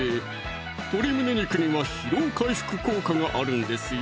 鶏胸肉には疲労回復効果があるんですよ